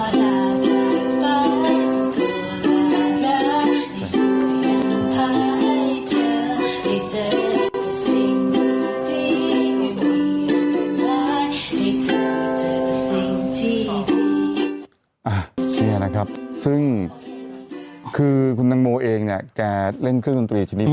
นี่นะครับซึ่งคือคุณตังโมเองเนี่ยแกเล่นเครื่องดนตรีชนิดนี้